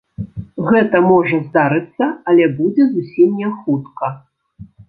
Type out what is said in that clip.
Гэта можа здарыцца, але будзе зусім не хутка.